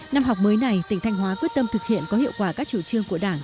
năm học mới này tỉnh thanh hóa quyết tâm thực hiện có hiệu quả các chủ trương của đảng